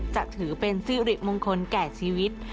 จะถือเป็นสิริมงคลแก่ชีวิต